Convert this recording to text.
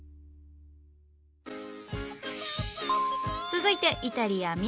続いてイタリアミラノ。